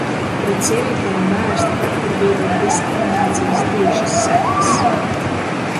Pret sievietēm vērsta vardarbība ir diskriminācijas tiešas sekas.